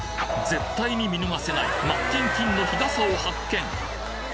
絶対に見逃せない真っキンキンの日傘を発見！